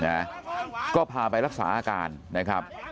นะก็พาไปรักษาอาการนะครับ